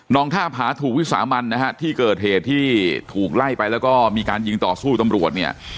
ท่าผาถูกวิสามันนะฮะที่เกิดเหตุที่ถูกไล่ไปแล้วก็มีการยิงต่อสู้ตำรวจเนี่ย